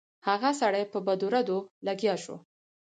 هغه سړی په بدو ردو لګیا شو.